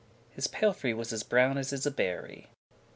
His palfrey was as brown as is a berry.